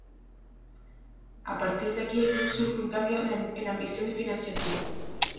A partir de aquí el club sufre un cambio en ambición y financiación.